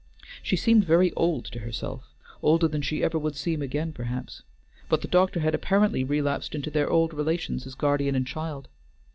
She seemed very old to herself, older than she ever would seem again, perhaps, but the doctor had apparently relapsed into their old relations as guardian and child.